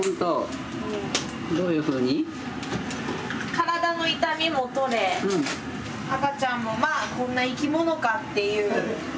体の痛みも取れ赤ちゃんもまあこんな生き物かっていう。